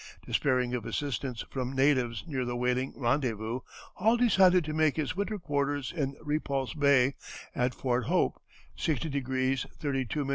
Despairing of assistance from natives near the whaling rendezvous, Hall decided to make his winter quarters in Repulse Bay, at Fort Hope, 60° 32´ N.